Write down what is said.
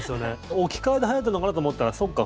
置き換えではやってるのかなと思ったらそうか。